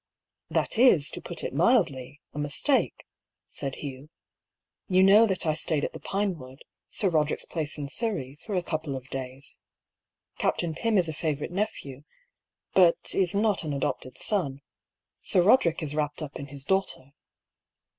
" That is, to put it mildly, a mistake," said Hugh. " You know that I stayed at the Pinewood, Sir Roderick's place in Surrey, for a couple of days. Captain Pym is a favourite nephew, but is not an adopted son. Sir Roderick is wrapped up in his daughter."